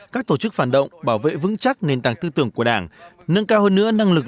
các tổ chức phản động bảo vệ vững chắc nền tảng tư tưởng của đảng nâng cao hơn nữa năng lực